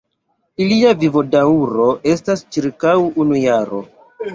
Ilia vivodaŭro estas ĉirkaŭ unu jaro.